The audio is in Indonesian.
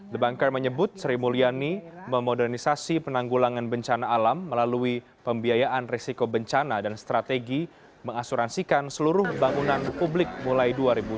the banker menyebut sri mulyani memodernisasi penanggulangan bencana alam melalui pembiayaan resiko bencana dan strategi mengasuransikan seluruh bangunan publik mulai dua ribu sembilan belas